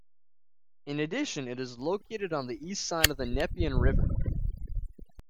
In addition, it is located on the east side of the Nepean River.